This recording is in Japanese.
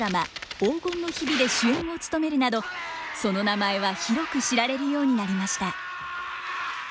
「黄金の日日」で主演を務めるなどその名前は広く知られるようになりました。